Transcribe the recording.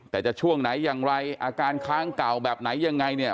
แต่จะช่วงไหนอย่างไรอาการค้างเก่าแบบไหนยังไงเนี่ย